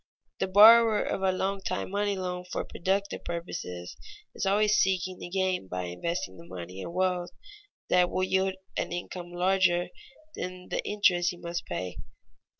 _ The borrower of a long time money loan for productive purposes is always seeking to gain by investing the money in wealth that will yield an income larger than the interest he must pay.